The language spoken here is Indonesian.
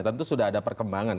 tentu sudah ada perkembangan